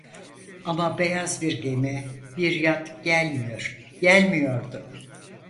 Ama beyaz bir gemi, bir yat gelmiyor, gelmiyordu.